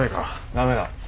駄目だ。